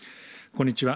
こんにちは。